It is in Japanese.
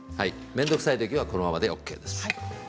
面倒くさい場合はこのままでＯＫです。